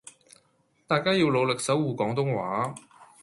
大家要努力守謢廣東話